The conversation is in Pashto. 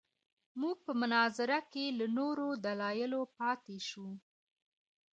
موږ په مناظره کې له نورو دلایلو پاتې شوو.